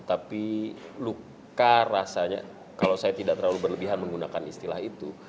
tapi luka rasanya kalau saya tidak terlalu berlebihan menggunakan istilah itu